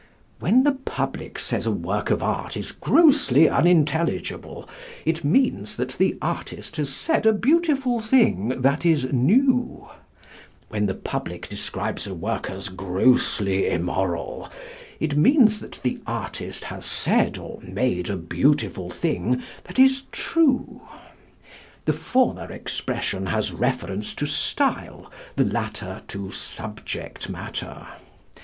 When the public says a work is grossly unintelligible, it means that the artist has said a beautiful thing that is new; when the public describes a work as grossly immoral, it means that the artist has said or made a beautiful thing that is true. The former expression has reference to style; the latter to subject matter.